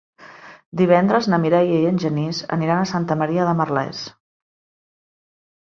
Divendres na Mireia i en Genís aniran a Santa Maria de Merlès.